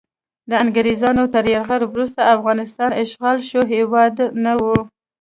د انګریزانو تر یرغل وروسته افغانستان اشغال شوی هیواد نه و.